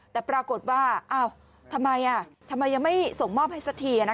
แต่ปรากฏว่าทำไมทำไมยังไม่ส่งมอบให้สักที